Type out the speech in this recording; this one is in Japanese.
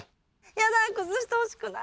やだ崩してほしくない。